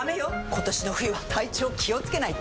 今年の冬は体調気をつけないと！